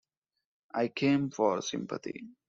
I came for sympathy.